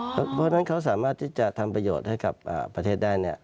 เพราะฉะนั้นเขาสามารถที่จะทำประโยชน์ให้กับประเทศได้